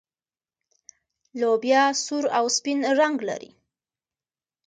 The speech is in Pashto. لوبیا سور او سپین رنګ لري.